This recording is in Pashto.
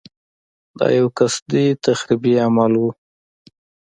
دا یو قصدي تخریبي عمل و.